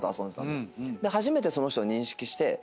で初めてその人を認識して。